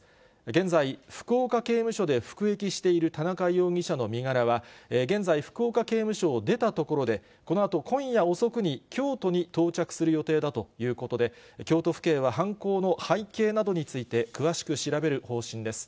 現在、福岡刑務所で服役している田中容疑者の身柄は、現在、福岡刑務所を出たところで、このあと今夜遅くに、京都に到着する予定だということで、京都府警は犯行の背景などについて詳しく調べる方針です。